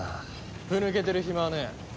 ふ抜けてる暇はねえ。